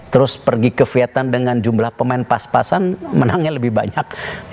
terus pergi ke vietnam dengan jumlah pemain pas pasan menangnya lebih banyak